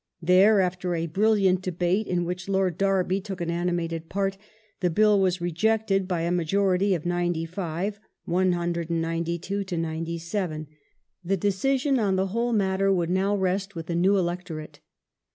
There, after a brilliant debate in which Lord Derby took an animated part, the Bill was rejected by a majority of ninety five (192 to 97). The decision on the whole matter would now rest with the new electorate.